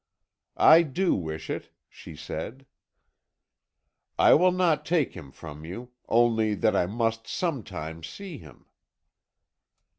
"'I do wish it," she said. "'I will not take him from you, only that I must sometimes see him.'